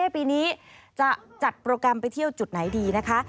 ปีนี้จะจัดโปรแกรมไปเที่ยวจุดไหนดีนะคะ